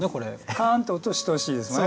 カーンって音してほしいですね。